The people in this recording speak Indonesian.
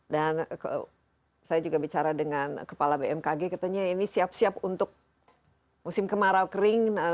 saya juga bicara dengan kepala bmkg katanya ini siap siap untuk musim kemarau kering